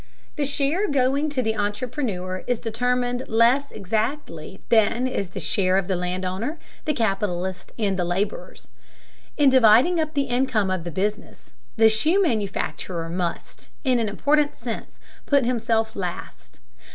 The share going to the entrepreneur is determined less exactly than is the share of the land owner, the capitalist, and the laborers. In dividing up the income of the business, the shoe manufacturer must, in an important sense, put himself last.